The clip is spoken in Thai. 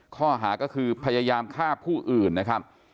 ข้อหาก็คือพยายามฆ่าผู้อื่นนะครับ